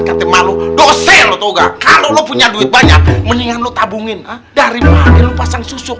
kalau punya duit banyak mendingan lu tabungin dari pasang susu